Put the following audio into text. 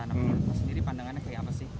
jadi pandangannya kayak apa sih